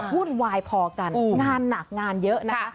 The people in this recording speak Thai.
วุ่นวายพอกันงานหนักงานเยอะนะคะ